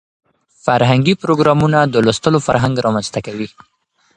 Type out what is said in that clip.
فرهنګي پروګرامونه د لوستلو فرهنګ رامنځته کوي.